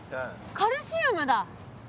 カルシウム？